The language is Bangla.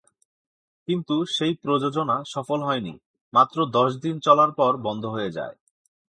কিন্তু, সেই প্রযোজনা সফল হয়নি, মাত্র দশ দিন চলার পর বন্ধ হয়ে যায়।